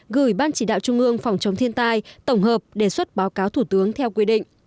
gửi ban chỉ đạo trung ương phòng chống thiên tai tổng hợp đề xuất báo cáo thủ tướng theo quy định